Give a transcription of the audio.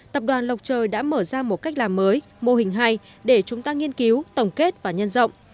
tập đoàn lộc trời đã mở ra một cách làm mới mô hình hay để chúng ta nghiên cứu tổng kết và nhân rộng